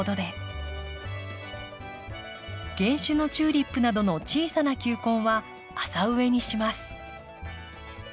原種のチューリップなどの小さな球根は浅植えにします。